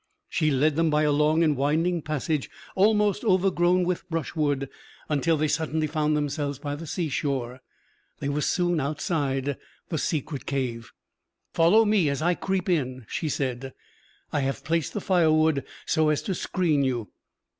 She led them by a long and winding passage almost overgrown with brushwood, until they suddenly found themselves by the seashore. They were soon outside the secret cave. "Follow me as I creep in," she said. "I have placed the firewood so as to screen you.